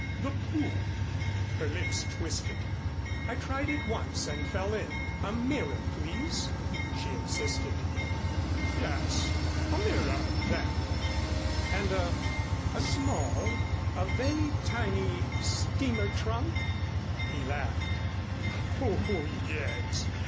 "The pool " Her lips twisted. "I tried it once, and fell in. A mirror, please," she insisted. "Yes a mirror then." "And a a small, a very tiny steamer trunk?" He laughed.